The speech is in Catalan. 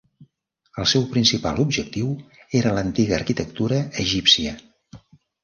El seu principal objectiu era l'antiga arquitectura egípcia.